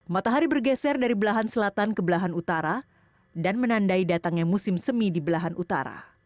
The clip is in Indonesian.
matahari bergeser dari belahan selatan ke belahan utara dan menandai datangnya musim semi di belahan utara